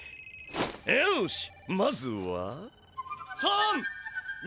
よしまずは。